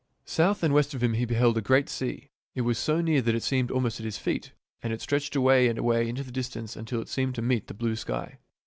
South and west of him he beheld a great sea. It was so near that it seemed almost at his feet ; and it stretched away and away into the distance until it seemed to meet the blue sky.